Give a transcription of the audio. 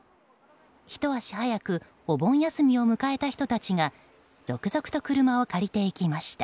ひと足早くお盆休みを迎えた人たちが続々と車を借りていきました。